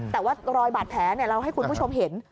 แต่ว่ารอยบาดแผลเราให้คุณผู้ชมเห็น